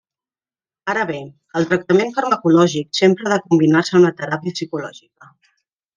Ara bé, el tractament farmacològic sempre ha de combinar-se amb la teràpia psicològica.